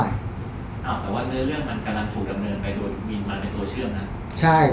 อ้าวแต่ว่าเนื้อเรื่องมันกำลังถูกดำเนินไปโดดวินมาเป็นตัวเชื่อมนะครับใช่